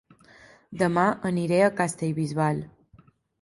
Dema aniré a Castellbisbal